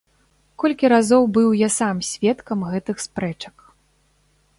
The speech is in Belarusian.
Колькі разоў быў я сам сведкам гэтых спрэчак.